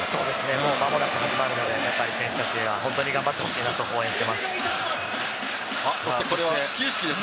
もうまもなく始まるので、選手たちには本当に頑張ってほしいなと応援しています。